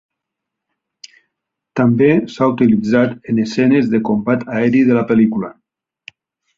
També s'ha utilitzat en escenes de combat aeri de la pel·lícula.